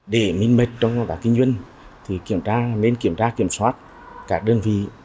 để minh mệnh trong các kinh doanh thì kiểm tra nên kiểm tra kiểm soát các đơn vị